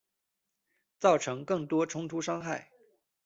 造成更多冲突伤害